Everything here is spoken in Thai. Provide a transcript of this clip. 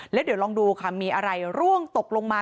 แล้วเดี๋ยวลองดูค่ะมีอะไรร่วงตกลงมา